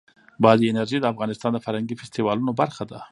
بادي انرژي د افغانستان د فرهنګي فستیوالونو برخه ده.